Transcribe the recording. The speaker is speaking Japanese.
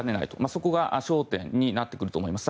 そこが焦点になってくると思います。